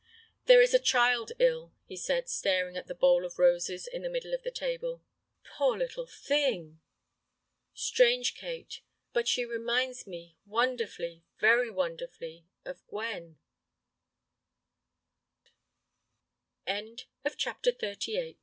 "There is a child ill," he said, staring at the bowl of roses in the middle of the table. "Poor little thing!" "Strange, Kate, but she reminds me—wonderfully, very wonderfully—of Gwen." CHAPTER XXXIX It was on the